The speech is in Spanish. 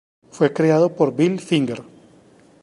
Fue creado por Bill Finger.